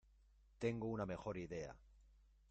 Tengo una mejor idea.